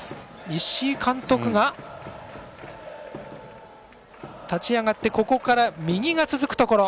石井監督が立ち上がってここから右が続くところ。